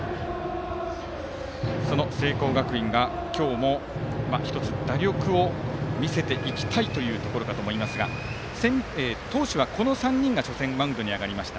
その聖光学院が今日も１つ打力を見せていきたいところかと思いますが投手はこの３人が初戦のマウンドに上がりました。